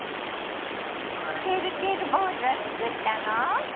てるてる坊主をつくったの？